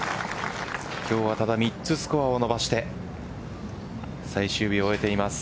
今日はただ、３つスコアを伸ばして最終日を終えています。